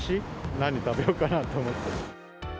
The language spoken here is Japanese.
何食べようかなと思って。